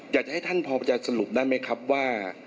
อยากจะให้ท่านพอจะสรุปได้ไหมครับว่า